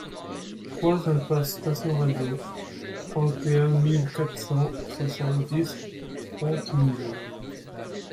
trois impasse Station Radio, trente et un mille quatre cent soixante-dix Fontenilles